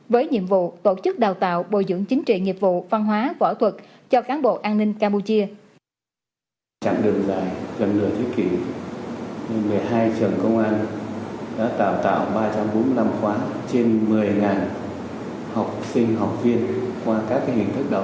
với nhiệm vụ tổ chức đào tạo bồi dưỡng chính trị nghiệp vụ văn hóa võ thuật cho cán bộ an ninh campuchia